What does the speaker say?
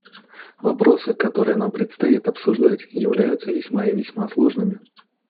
Вопросы, которые нам предстоит обсуждать, являются весьма и весьма сложными.